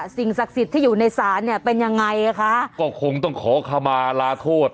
สิ่งศักดิ์สิทธิ์ที่อยู่ในศาลเนี่ยเป็นยังไงอ่ะคะก็คงต้องขอขมาลาโทษ